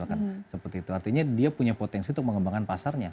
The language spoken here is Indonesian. artinya dia punya potensi untuk mengembangkan pasarnya